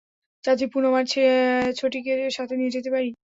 চাচি, পুনম আর ছোটিকে সাথে নিয়ে যেতে পারি?